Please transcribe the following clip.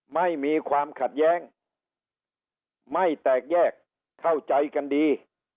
ไม่มีความขัดแย้งไม่แตกแยกเข้าใจกันดี